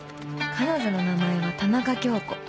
彼女の名前は田中京子